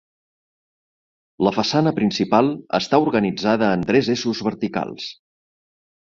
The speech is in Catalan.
La façana principal està organitzada en tres eixos verticals.